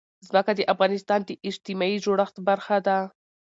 ځمکه د افغانستان د اجتماعي جوړښت برخه ده.